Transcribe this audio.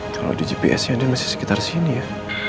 kalau di gpsnya andi masih sekitar sini ya